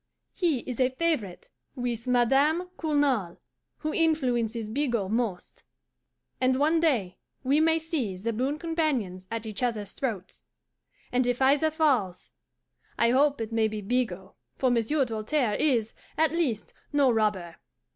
He is a favourite with Madame Cournal, who influences Bigot most, and one day we may see the boon companions at each other's throats; and if either falls, I hope it maybe Bigot, for Monsieur Doltaire is, at least, no robber.